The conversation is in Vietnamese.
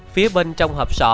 phía bên trong hộp sọ